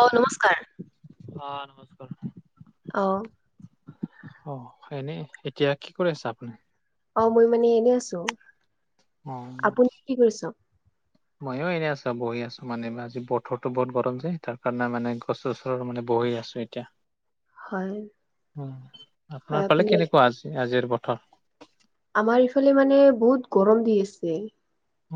অঁ নমস্কাৰ। অঁ নমস্কাৰ। অ অ, এনেই এতিয়া কি কৰি আছা আপুনি। অ মই মানে এনেই আছো, অ আপুনি কি কৰিছ? ময়ো এনেই আছো বহি আছো মানে আজি বতৰো বহুত গৰম যে তাৰ কাৰণে মানে গছৰ ওচৰত মানে বহি আছো এতিয়া। হয় উম, আপোনাৰ হয় ফালে আপুনি কেনেকুৱা আজি আজিৰ বতৰ। আমাৰ ইফালে মানে বহুত গৰম দি আছে।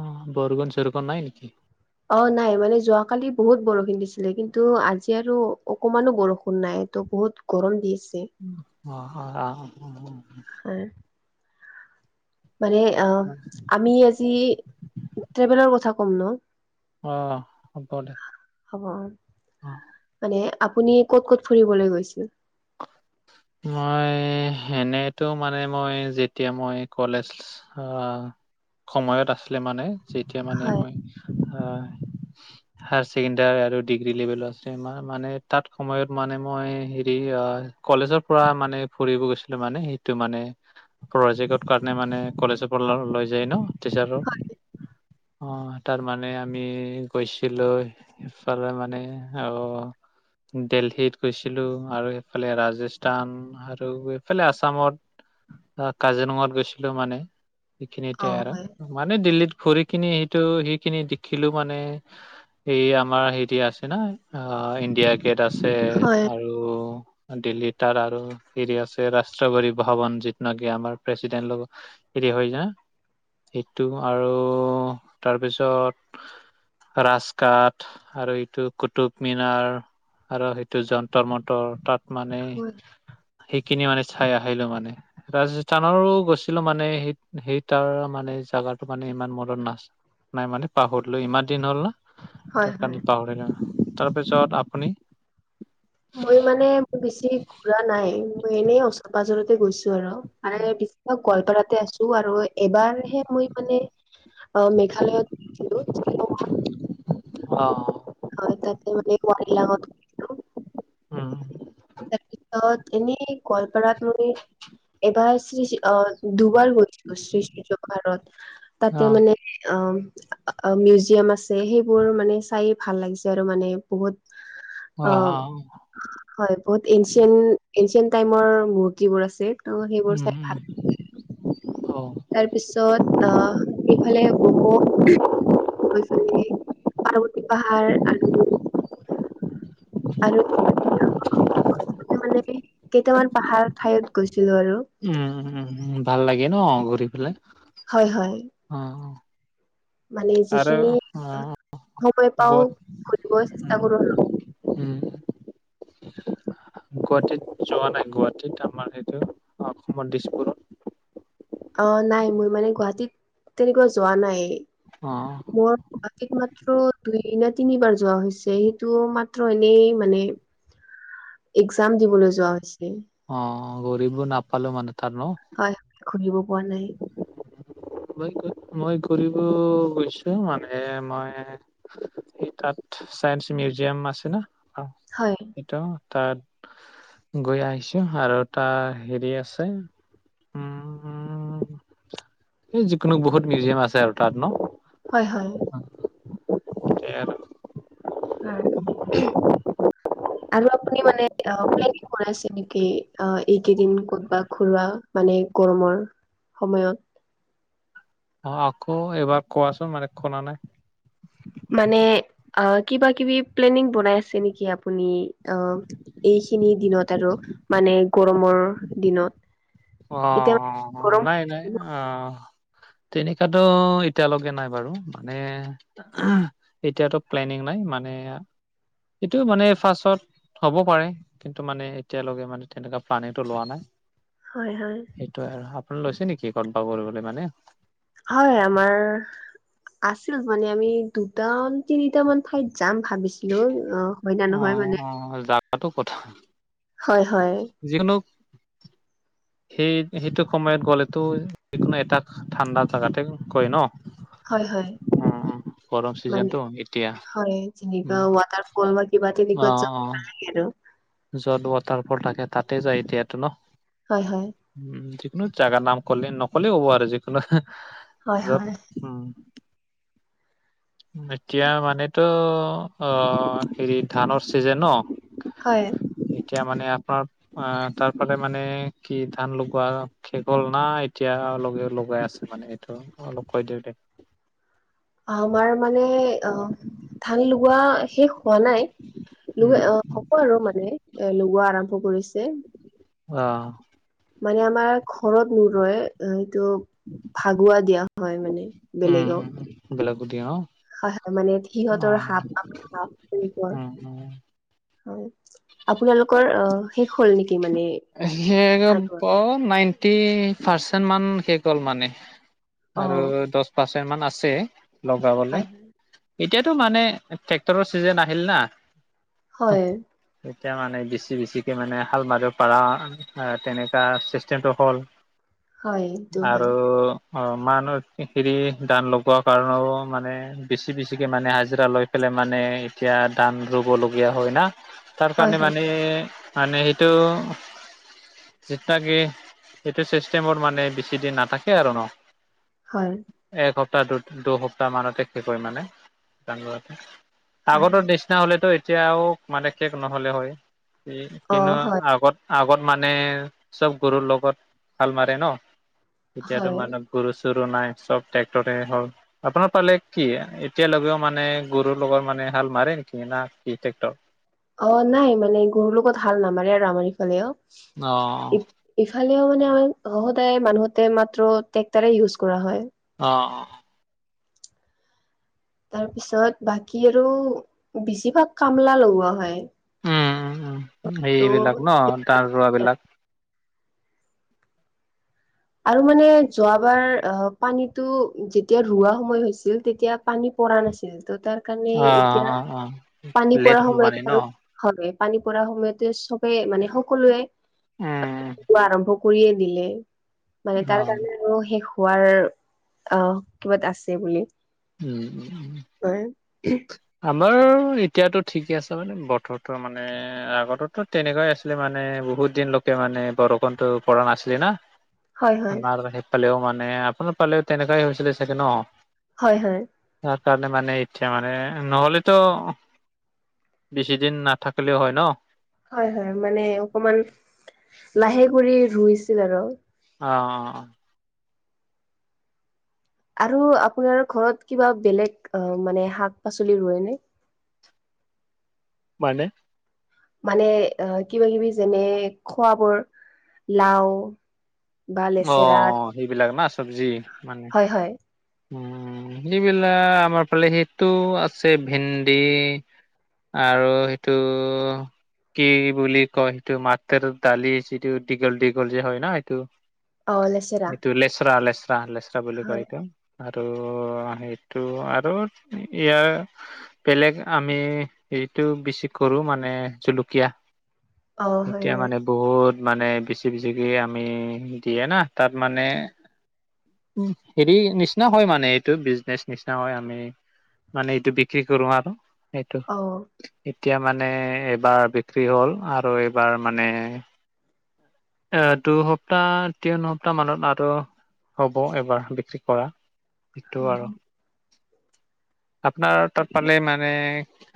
অঁ, বৰষুণ চৰখুণ নাই নেকি? অঁ নাই মানে যোৱাকালি বহুত বৰষুণ দিছিলে, কিন্তু আজি আৰু অকমানো বৰষুণ নাই, তো বহুত গৰম দি আছে। অঁ হয় অঁ হয়। মানে আঁ আমি আজি ট্ৰেভেলৰ কথা ক'ম ন। অঁ হ'ব দে। হব। অঁ মানে আপুনি ক'ত ক'ত ফুৰিবলে গৈছিল। মই সেনেতো মানে মই যেতিয়া মই কলেজ আহ সময়ত আছিলে, মানে যেতিয়া মানে মই হয়। হায়াৰ ছেকেণ্ডাৰী আৰু ডিগ্ৰী লেভেলৰ আছে মানে তাত সময়ত মানে মই হেৰি আ কলেজৰ পৰা মানে ফুৰিব গৈছিলো মানে সেইটো মানে। প্ৰজেক্টৰ কাৰণে মানে কলেজৰ পৰা লৈ যায় ন টিচাৰৰ। অঁ তাৰমানে আমি গৈছিলো। ইফালে মানে অ দেলহীত গৈছিলো আৰু সিফালে ৰাজেচ- টান আৰু এইফালে আছামত কাজিৰঙাত গৈছিলো মানে। সেইখিনি অ এতিয়া আৰু, হয় মানে দিল্লীত ঘুৰি কিনি সেইটো সিখিনি দেখিলো মানে এই আমাৰ হেতি আছে ন অঁ ইণ্ডিয়া গেট আছে হয় আৰু দিল্লীত তাৰ আৰু হেৰি আছে ৰাষ্ট্ৰপতি ভৱন যিটো নেকি আমাৰ প্ৰেচিডেন্ট হেৰি হয় না, সেইটো আৰু তাৰপিছত ৰাজঘাট আৰু এইটো কুটুব মিনাৰ। আৰু সেইটো যন্ত্ৰ মন্তৰ তাত মানে হয় সেইখিনি মানে চাই আহিলো মানে। ৰাজস্থানৰো গৈছিলো মানে, সেই সেই তাৰ মানে জাগাটো মানে ইমান মনত নাছিল। নাই মানে পাহৰিলো ইমান দিন হ'ল না। হয় তাৰ হয় কাৰণে পাহৰিলো, তাৰপিছত আপুনি? মই মানে বেছি ঘুৰা নাই, মই এনেই ওচৰ পাজৰতে গৈছো আৰু। মানে দিশভ গোৱালপাৰাতে আছো আৰু এবাৰহে মই মানে অ মেঘালয়ত আছিলো শ্বিলংত অঁ হয় তাতে মানে বোৱাৰী লগত উম তাৰপিছ ত এনে গলপাৰাত তুমি এবাৰ শ্ৰী আহ দুবাৰ গৈছিলো শ্ৰী সূৰ্য ভাৰত অ তাতে মানে অ মিউজিয়াম আছে সেইবোৰ মানে চাইয়ে ভাল লাগিছে আৰু মানে বহুত অ হয় বহুত এনচিয়েন এনচিয়েনট টাইমৰ মূৰ্তিবোৰ আছে ত' সেইবোৰ উম চাই ভাল উম অ'। তাৰপিছত অ এইফালে বক' [inaudible] পাৰ্বতী পাহাৰ আৰু আৰু মানে কেইটামান পাহাৰ ঠাইত গৈছিলো আৰু। উম উ উম উম ভাল লাগে ন ঘূৰি পেলাই হয় হয় অ'। মানে আৰু যিখিনি অ সময় পাও গদ ঘুৰিব চেষ্টা কৰো উম। গুৱাহাটীত যোৱা নাই গুৱাহাটীত আমাৰ সেইটো অসমৰ দিছপুৰত। অ নাই মোৰ মানে গুৱাহাটীত তেনেকুৱা যোৱা নাই। অ'। মোৰ গুৱাহাটীত মাত্ৰ দুই নে তিনিবাৰ যোৱা হৈছে সেইটো মাত্ৰ এনেই মানে। [unintelligible] এক্সম দিবলৈ যোৱা হৈছে অ ফুৰিব নাপালো মানে তাত ন। [inaudible] খুৰিব পোৱা নাই মই মই ঘূৰিব গৈছো মানে মই সেই তাত চাইন্স মিউজিয়াম আছে না অ'। হয়। তাত গৈ আহিছো আৰু তাৰ হেৰি আছে উম এই যিকোনো বহুত মিউজিয়াম আছে আৰু তাত ন। হয় হয়। আৰু। [inaudible] হয়। [unintelligible] হয়। [unintelligible] আৰু আপুনি মানে প্লেনিং কৰাইছে নেকি এইকেইদিন ক'তবা ঘোৱা মানে গৰমৰ সময়ত। অঁ আকৌ এবাৰ কোৱাচোন মানে শুনা নাই। মানে কিবা কিবি প্লেনিং বনাই আছে নেকি আপুনি অ'। এইখিনি দিনত আৰু মানে গৰমৰ দিনত। অ এতিয়া মানে গৰম নাই হৈ নাই আছে ন। অ'। তেনেকাতো এতিয়ালৈকে নাই বাৰু মানে এতিয়াতো প্লেনিং নাই মানে এইটো মানে ফাৰ্ষ্চত হ'ব পাৰে কিন্তু মানে এতিয়ালৈকে মানে তেনেকুৱা প্লানিংটো লোৱা নাই। হয় হয়। সেইটোৱে আৰু আপুনি লৈছে নেকি কত বা কৰিবলৈ মানে। হয় আমাৰ আছিল মানে আমি দুটা তিনিটা মান ঠাইত যাম ভাবিছো। ছিলো অ হয় ন অ নহয় মানে। অ'। তাতো কথা। হয় হয়। যিকোনো সেই সেইটো সময়ত গ'লেতো যোনো এটা ঠাণ্ডা জোগাতে কয় ন। [unintelligible] অ গৰম চিজনটো এতিয়া উম ক' বা কিবা তেনে অ কত যাব অ নালাগে আৰু। য'ত ৱাটাৰ ফল থাকে তাতে যায় এতিয়াতো ন। হয় হয়। উম যিকোনো জাগাৰ নাম কলে নক'লে হ'ব আৰু যিকোনো হয় হয় যত উম। এতিয়া মানেতো অ হেৰি ধানৰ চিজনে ন। হয় এতিয়া মানে আপোনাৰ অ তাৰ ফালে মানে কি ধান লগোৱা। শেষ হ'ল না এতিয়া লগে লগাই আছে মানে এইটো অলপ কৈ দিয়ক দে। আমাৰ মানে অ ধান লগোৱা শেষ হোৱা নাই। লগ উম আহ হ'ব আৰু মানে এ লগোৱা আৰম্ভ কৰিছে। অ। মানে আমাৰ ঘৰত ন ৰয় এইটো ভাগুৱা দিয়া হয় মানে। উম বেলেগক উম সেইবিলাকো দিয়ে ন। হয় হয় মানে সিহঁতৰ সাপ সাপ বুলিনে ক। হয় আপোনালোকৰ অ শেষ হ'ল নেকি মানে। সে ভাগৰ নাইনটি পাৰ্চেন্ট মান শেষ গ'ল মানে। অ আৰু দহ পাৰ্চেণ্ট মান আছে হয় লগাবলৈ। এতিয়াতো মানে ট্ৰেক্টৰৰ চিজন আহিল না। হয়। এতিয়া মানে বেছি বেছিকে মানে হাল মাৰ পৰাাৰা তেনেকুৱা চিষ্টেমটো হ'ল হয় এইটো হয় আৰু অ মানহ হেৰি দান লগোৱা কাৰণেও মানে বেছি বেছিকৈ মানে হাজিৰা লৈ পেলাই মানে এতিয়া ধান ৰুবলগীয়া হয় না। তাৰ হয় কাৰণে হয় মানে মানে সেইটো এইেটো চিষ্টেমৰ মানে বেছি দিন নাথাকে আৰু ন। হয়। একসপ্তাহ দু দুসপ্তাহ মানতে শেষ কৰি মানে ধান হয় হয় আগতৰ দৃষ্ট নিচিনা হ'লেতো এতিয়াও মানে শেক নহ'লে হয় অ হয় আগত আগত মানে চব গৰুৰ লগত হাল মাৰে ন এতিয়াতো হয় মানুহ গৰু চৰু নাই চব ট্ৰেক্টৰে হ'ল। আপোনাৰ ফালে কি এতিয়ালৈকেও মানে গৰুৰ লগত মানে হাল মাৰে নেকি না কি টেক্টৰ। অ নাই মানে গৰুৰ লগত হাল নামাৰে আৰু আমাৰ ইফালে অ। অ। ইফালেও মানে আমাৰ সদায় মানুহতে মাত্ৰ ট্ৰেক্টাৰে ইউজ কৰা হয়। অ অ। তাৰ পিছত বাকী আৰু বেছিভাগ কামলা লগোৱা হয়। উম উ উম এইবিলাক ত' ন ধান ৰোৱা বিলাক। আৰু মানে যোৱাবাৰ অ পানীটো যেতিয়া ৰোৱা সময় হৈছিল তেতিয়া পানী পৰা নাছিল ত' তাৰ কাৰণে অ এতিয়া অ অ পানী লেট পৰা হ'ল মানে সময়ত ন? আৰু। হয় পানী পৰা সময়তে চবে মানে সকলোৱে উম। আৰম্ভ কৰিয়ে দিলে। মানে তাৰ অ', কাৰণে আৰু শেষ হোৱাৰ আহ কিবাত আছে বুলি। উম। উম। আমাৰ এতিয়াতো ঠিকে আছে মানে বতৰটোৰ মানে আগততো তেনেকুৱাই আছে। মানে বহুত দিন লোকে মানে বৰষুণটো পৰা নাছিলে না? হয় হয় আমাৰ সেইফালেও মানে, আপোনাৰ ফালেও তেনেকুৱাই হৈছিলে চাগে ন? হয় হয়। তাৰ কাৰণে মানে এতিয়া মানে নহলেতো, বেছিদিন নাথাকিলেও হয় ন? হয় হয়, মানে অকমান লাহে কৰি ৰুইছিল আৰু। অ অ অ। আৰু আপোনাৰ ঘৰত কিবা বেলেগ মানে শাক পাচলি ৰুৱে নে? মানে? মানে আহ কিবা কিবি যেনে, খোৱা বোৰ লাও বা অ লেচেৰা সেইবিলাক না চবজি মান হয় হয়। উম, সেইবিলাক আমাৰ ফালে সেইটো আছে ভেণ্ন্দি আৰু সেইটো কি বুলি কয় সেইটো মাতৰ দালি যিটো দীঘল দীঘল যে হয় ন এইটো অ লেচেৰা এইটো লেচৰা লেচৰা লেচৰা বুলি হয় কয় ইটো। আৰু সেইটো আৰু ইয়াৰ বেলেগ আমি এইটো বেছি কৰো মানে জলকীয়া অ হয় এতিয়া হয় মানে বহুত মানে বেছি বেছিকে আমি দিয়ে না? তাত মানে উম। হেৰি নিশ নহয় মানে, এইটো বিজনেছ নিচিনা হয় আমি মানে এইটো বিক্ৰী কৰো আৰু। সেইটো অ এতিয়া মানে এইবাৰ বিক্ৰী হ'ল আৰু এইবাৰ মানে এ দুসপ্তাহ তিনি সপ্তাহ মানত আৰু হ'ব এবাৰ বিক্ৰী কৰা। সেইটো আৰু আপোনাৰ তাত পালে মানে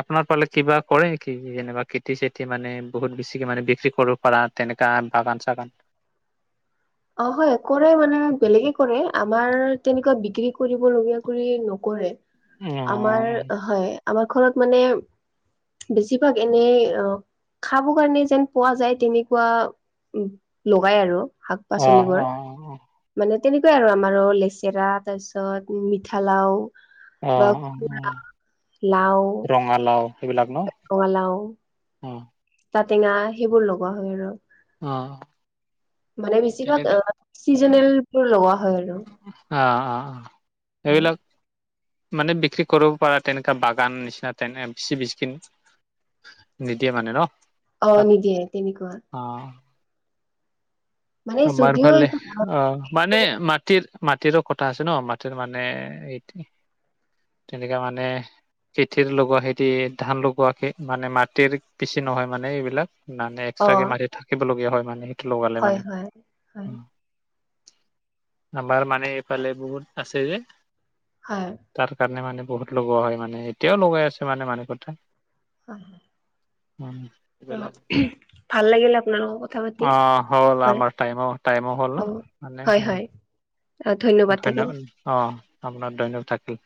আপোনাৰ ফালে কিবা কৰে কি? যেনিবা খেতি চেতি মানে বহুত বেছিকে মানে বিক্ৰী কৰো পাৰা তেনেকা বাগান চাগান অ হয় কৰে মানে বেলেগে কৰে, আমাৰ তেনেকুৱা বিক্ৰী কৰিব লগীয়া কৰি নকৰে। অ আমাৰ হয়। আমাৰ ঘৰত মানে বেছিভাগ এনেই অ খাব কাৰণে যেন পোৱা যায়, তেনেকুৱা লগাই আৰু। শাক অ পাচলিবোৰ। অ অ মানে তেনেকুৱাই আৰু আমাৰো লেচেৰা তাৰ পিছত মিঠালাও অ অ বা অ কোমোৰা, লাও ৰঙালাও সেইবিলাক ন? টেঙা সেইবোৰ লগোৱা হয় আৰু। অ মানে বেছিভাগ তেনেকা আহ চিজনেল বোৰ লগোৱা হয় আৰু। অ অ অ। এইবিলাক মানে বিক্ৰী কৰিব পাৰা তেনেকা বাগান নিচিনা তেনে বেচি বেচিকে নিদিয়ে মানে ন? অ তাত নিদিয়ে তেনেকুৱা। অ। মানে যদিও আমাৰফালে এইটো অ মানে মাটিৰ মাটিৰো কথা আছে ন, মাটিৰ মানে এই তেনেকা মানে খেতিৰ লগোৱা খেতি ধান লগোৱাকে মানে মাটিৰ বেছি নহয় মানে এইবিলাক। মানে এক্সট্ৰাকে অ' মাটি থাকিবলগীয়া হয় মানে। সেইটো লগালে হয় মানে হয়, হয়। আমাৰ মানে এইফালে বহুত আছে যে। হয়। তাৰ কাৰণে মানে বহুত লগোৱা হয় মানে এতিয়াও লগাই আছে মানে মানুহ কথা। হয় হয়। উম। ত উহ ভাল লাগিলে আপোনাৰ লগত কথা পাতি অ হ'ল হয়। আমাৰ টাইমো - টাইমো হ'ল ন হ'ব মানে হয়, অ। হয় ধন্যবাদ, অ আপোনাৰ ধন্যবাদ থাকিল।